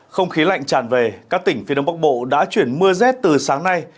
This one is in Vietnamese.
không khí lạnh tràn về các tỉnh phía đông bắc bộ đã chuyển mưa rét từ sáng nay